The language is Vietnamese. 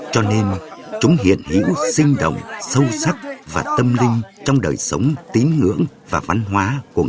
cho nên chúng hiện hữu sinh động sâu sắc và tâm linh trong đời sống tín ngưỡng và văn hóa